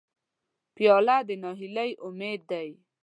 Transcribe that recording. پیاله د نهیلۍ امید ده.